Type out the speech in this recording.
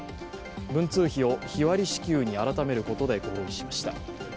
文通費を日割り支給に改めることで合意しました。